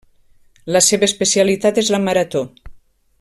La seua especialitat és la marató.